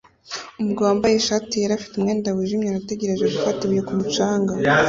Umugabo wambaye ishati yera afite umwenda wijimye arategereje gufata ibuye ku mucanga